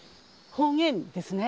方言ですね。